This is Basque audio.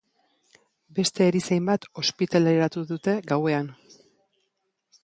Beste erizain bat ospitaleratu dute gauean.